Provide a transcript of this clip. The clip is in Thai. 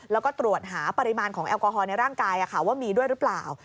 แล้วก็ตรวจหาปริมาณของแอลกอฮอลในร่างกายว่ามีด้วยหรือเปล่า